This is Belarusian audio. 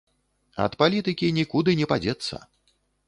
Ад палітыкі нікуды не падзецца!